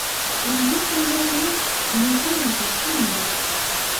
Як быццам яны ёсць, але ў той жа час і няма.